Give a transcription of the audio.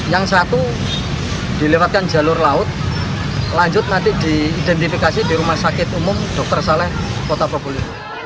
yang satu dilewatkan jalur laut lanjut nanti diidentifikasi di rumah sakit umum dr saleh kota proboling